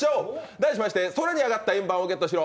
題しまして空にあがった円盤をゲットしろ！